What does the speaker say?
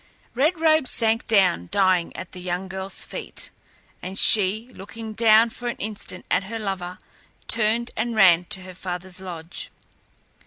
Red Robe sank down dying at the young girl's feet, and she, looking down for an instant at her lover, turned and ran to her father's lodge.